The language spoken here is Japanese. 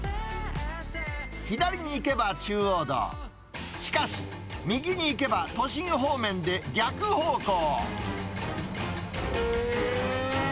左に行けば中央道、しかし、右に行けば都心方面で逆方向。